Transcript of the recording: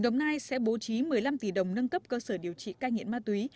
đồng nai sẽ giúp cơ sở điều trị cai nghiện ma túy